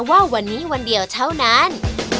ว่าวันนี้วันเดียวเท่านั้น